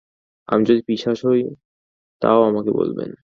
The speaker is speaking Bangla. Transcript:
আমি যদি পিশাচ হই, তাও আমাকে বলবেন।